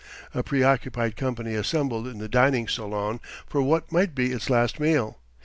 A preoccupied company assembled in the dining saloon for what might be its last meal.